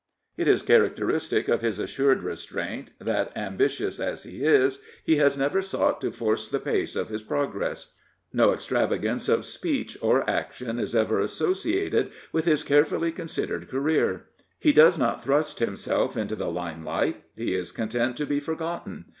It is characteristic of his assured restraint 256 Herbert Samuel that, ambitious as he is,|Tie has neVer sought to force the pace of his progres^ No extravagance of speech or action is ever associated with his carefully con sidered career. He does not thrust himself into the limelight. He is content to be forgotten.